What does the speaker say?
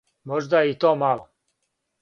Можда је и то мало!